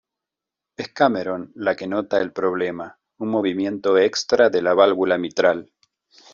Es Cameron la que nota el problema: un movimiento extra de la válvula mitral.